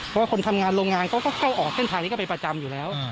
เพราะว่าคนทำงานโรงงานเขาก็เข้าออกเส้นทางนี้ก็เป็นประจำอยู่แล้ว